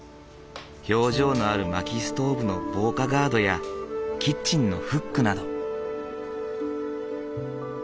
表情のあるまきストーブの防火ガードやキッチンのフックなど。